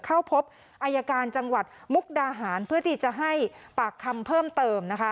เข้าพบอายการจังหวัดมุกดาหารเพื่อที่จะให้ปากคำเพิ่มเติมนะคะ